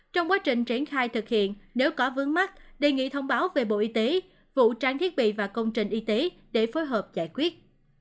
trong quá trình triển khai thực hiện nếu có vướng mắt đề nghị thông báo về bộ y tế vũ trang thiết bị và công trình y tế để phối hợp giải quyết